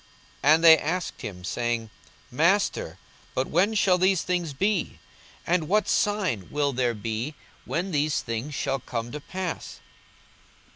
42:021:007 And they asked him, saying, Master, but when shall these things be? and what sign will there be when these things shall come to pass?